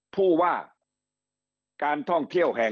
ผู้ว่าการท่องเที่ยวแห่ง